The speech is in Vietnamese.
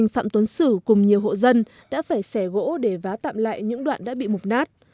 phạm tuấn sử cùng nhiều hộ dân đã phải xẻ gỗ để vá tạm lại những đoạn đã bị mục nát